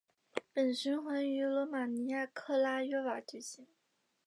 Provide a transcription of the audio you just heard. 本循环于罗马尼亚克拉约瓦举行。